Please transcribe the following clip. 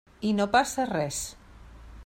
I no passa res.